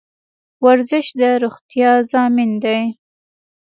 ورزش د روغتیا ضامن دی